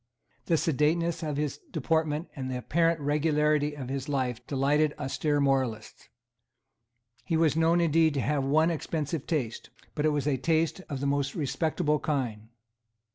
The sedateness of his deportment and the apparent regularity of his life delighted austere moralists. He was known indeed to have one expensive taste; but it was a taste of the most respectable kind.